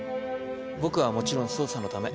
僕はもちろん捜査のため。